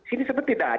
ini seperti tidak ada